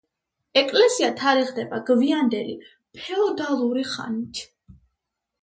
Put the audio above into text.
ეკლესია თარიღდება გვიანდელი ფეოდალური ხანით.